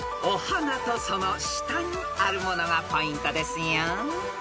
［お花とその下にあるものがポイントですよ］